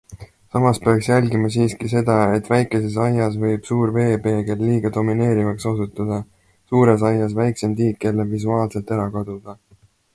Samas peaks jälgima siiski seda, et väikseses aias võib suur veepeegel liiga domineerivaks osutuda, suures aias väiksem tiik jälle visuaalselt ära kaduda.